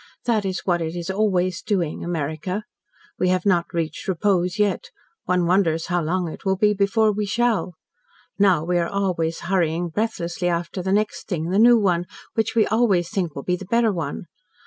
That is what it is always doing America. We have not reached repose yet. One wonders how long it will be before we shall. Now we are always hurrying breathlessly after the next thing the new one which we always think will be the better one.